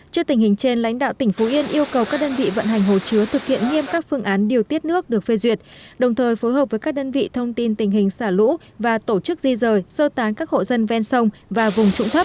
trước tình hình trên lãnh đạo tỉnh phú yên yêu cầu các đơn vị vận hành hồ chứa thực hiện nghiêm các phương án điều tiết nước được phê duyệt đồng thời phối hợp với các đơn vị thông tin tình hình xả lũ và tổ chức di rời sơ tán các hộ dân ven sông và vùng trụng thấp